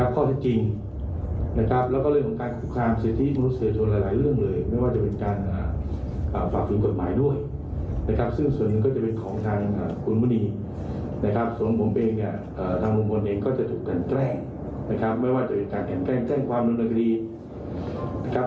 เพราะว่าทางลุงพลเองก็จะถูกกันแกล้งนะครับไม่ว่าจะเป็นการแกนแกล้งแกล้งความรุนคดีนะครับ